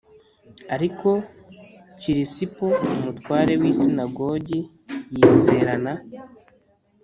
Ariko kirisipo umutware w isinagogi yizerana